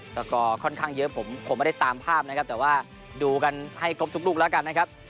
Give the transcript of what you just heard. สกอร์ค่อนข้างเยอะผมคงไม่ได้ตามภาพนะครับแต่ว่าดูกันให้ครบทุกลูกแล้วกันนะครับ